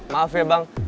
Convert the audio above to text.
maaf ya bang